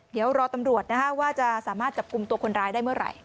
เดี๋ยวรอตำรวจว่าจะสามารถจับกลุ่มตัวคนร้ายได้เมื่อไหร่